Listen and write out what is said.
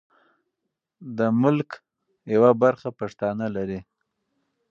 د ملک یوه برخه پښتانه لري.